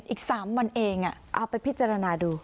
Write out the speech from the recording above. อีก๓วันเองเอาไปพิจารณาดู